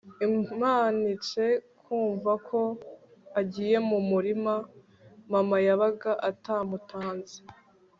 imanitse nkumva ko agiye mu murima. mama yabaga atamutanze